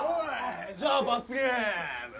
じゃあ罰ゲーム。